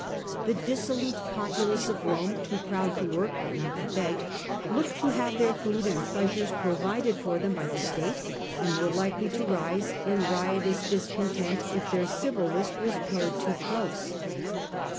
The dissolute populace of Rome, too proud to work but not to beg, looked to have their food and pleasures provided for them by the state, and were likely to rise in riotous discontent if their civil list were pared too close.